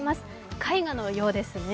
絵画のようですね。